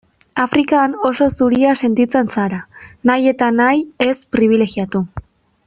Afrikan oso zuria sentitzen zara, nahi eta nahi ez pribilegiatu.